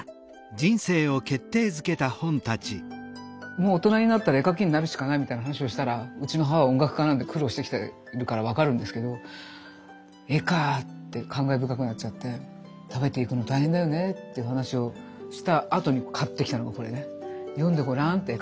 もう大人になったら絵描きになるしかないみたいな話をしたらうちの母は音楽家なんで苦労してきてるから分かるんですけど「絵かぁ」って感慨深くなっちゃって「食べていくの大変だよね」っていう話をしたあとに買ってきたのがこれね。